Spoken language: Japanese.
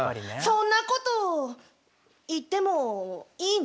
そんなこと言ってもいいの？